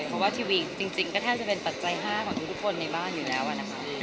เพราะว่าทีวีจริงก็แทบจะเป็นปัจจัย๕ของทุกคนในบ้านอยู่แล้วนะคะ